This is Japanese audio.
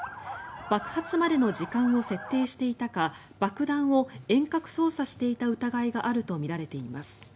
爆発までの時間を設定していたか爆弾を遠隔操作していた疑いがあるとみられています。